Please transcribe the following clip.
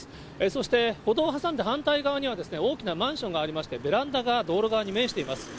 そして、歩道を挟んで反対側には大きなマンションがありまして、ベランダが道路側に面しています。